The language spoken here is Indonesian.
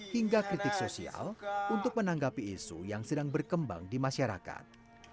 hingga kritik sosial untuk menanggapi isu yang sedang berkembang di masyarakat